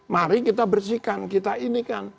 mari kita bersihkan kita ini kan